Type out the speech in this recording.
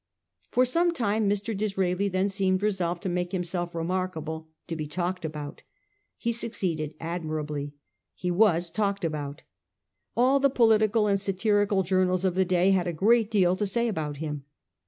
, For some time Mr. Disraeli then seemed resolved to make himself remarkable — to be talked about. He succeeded admirably. He was talked about. All the political and satirical journals of the day had a great deal to say about him.